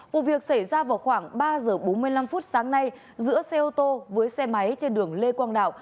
vụ việc xảy ra vào khoảng ba giờ bốn mươi năm phút sáng nay giữa xe ô tô với xe máy trên đường lê quang đạo